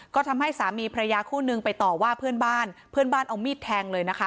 ก็ทำให้สามีพระยาคู่นึงไปต่อว่าเพื่อนบ้านเพื่อนบ้านเอามีดแทงเลยนะคะ